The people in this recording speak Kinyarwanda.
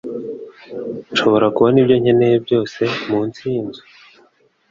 Nshobora kubona ibyo nkeneye byose munsi yinzu.